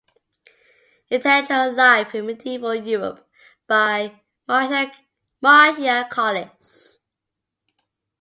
"Intellectual Life in Medieval Europe" by Marcia Colish